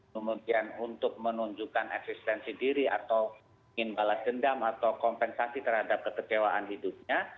kemudian untuk menunjukkan eksistensi diri atau ingin balas dendam atau kompensasi terhadap kekecewaan hidupnya